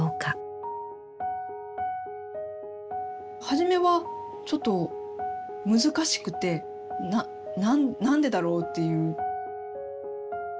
初めはちょっと難しくて何でだろうっていう。